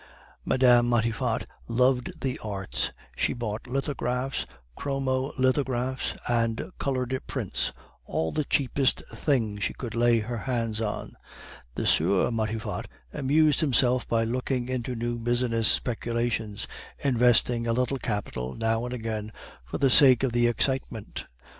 Mme. Matifat loved the arts; she bought lithographs, chromo lithographs, and colored prints, all the cheapest things she could lay her hands on. The Sieur Matifat amused himself by looking into new business speculations, investing a little capital now and again for the sake of the excitement.